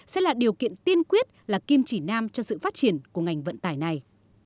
sẽ là điều kiện tiên quyết là kim chỉ nam cho sự phát triển của ngành vận tải này